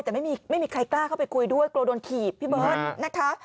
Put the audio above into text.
แต่ไม่มีใครกล้าเข้าไปคุยด้วยกลัวโดนถีบพี่เบิร์ตนะคะ